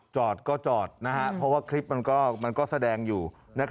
จอดก็จอดเพราะว่าคลิปมันก็แสดงอยู่